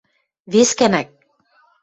– Вес гӓнӓк...